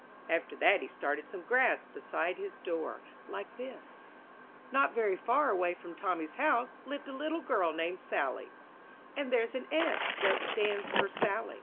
After that he started some grass beside his door, like this. Not far \/ away from Tommy's house lived a ^?*^^little girl named Sally; and there's an (^ That stands for Sally.